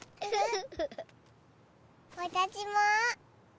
わたしも。